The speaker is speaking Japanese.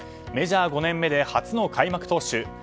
メジャー５年目で初の開幕投手。